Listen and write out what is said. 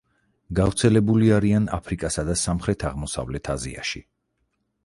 გავრცელებული არიან აფრიკასა და სამხრეთ-აღმოსავლეთ აზიაში.